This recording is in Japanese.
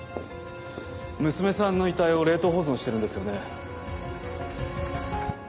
娘さんの遺体を冷凍保存してるんですよね？